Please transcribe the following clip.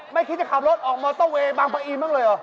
ไม่คิดจะขับรถออกมอเตอร์เวย์บางปะอินบ้างเลยเหรอ